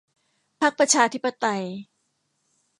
พรรคประชาธิปไตย